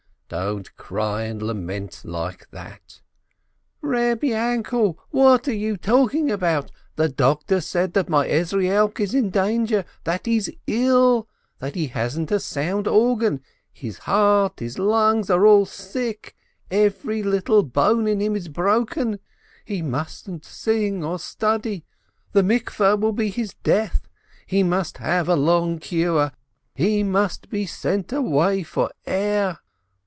Don't cry and lament like that !" "Reb Yainkel, what are you talking about? The doctor said that my Ezrielk is in danger, that he's ill, that he hasn't a sound organ — his heart, his lungs, are all sick. Every little bone in him is broken. He mustn't sing or study — the bath will be his death — he must have a long cure — he must be sent away for air.